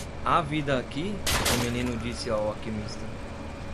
"Há vida aqui?" o menino disse ao alquimista.